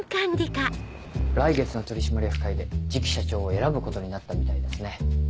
来月の取締役会で次期社長を選ぶことになったみたいですね。